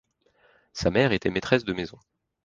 Sa mère était maîtresse de maison.